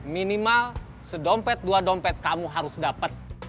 minimal sedompet dua dompet kamu harus dapat